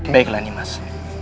baiklah nih mas